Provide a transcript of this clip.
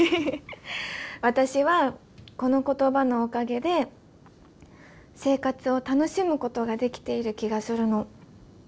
私はこの言葉のおかげで生活を楽しむことができている気がするの。